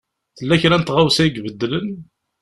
Tella kra n tɣawsa i ibeddlen?